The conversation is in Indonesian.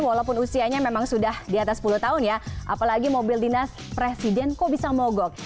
walaupun usianya memang sudah di atas sepuluh tahun ya apalagi mobil dinas presiden kok bisa mogok